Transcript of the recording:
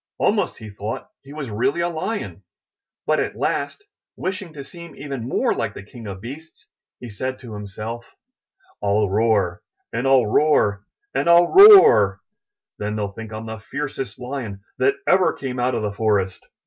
Almost he thought he was really a Lion. But at last, wishing to seem even more like the King of Beasts, he said to himself: 'I'll roar, and FU roar, and ril roar! Then they II think Fm the fiercest Lion that ever came out of the Forest.